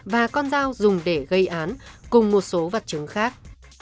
và con dao dùng để gây án cùng một số vật chứng khác